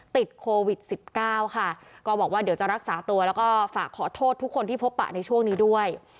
ติดโควิด๑๙ค่ะก็บอกว่าเดี๋ยวจะรักษาตัวแล้วก็ฝากขอโทษทุกคนที่พบปะในช่วงนี้ด้วย